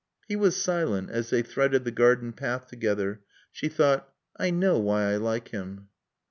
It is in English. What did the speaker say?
He was silent as they threaded the garden path together. She thought, "I know why I like him."